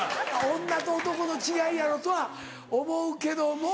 女と男の違いやろとは思うけども。